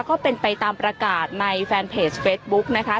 ก็เป็นไปตามประกาศในแฟนเพจเฟสบุ๊กนะคะ